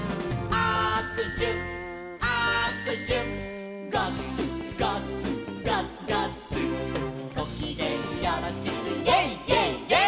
「あくしゅあくしゅ」「ガッツガッツガッツガッツ」「ごきげんよろしく」「イェイイェイイェイ！」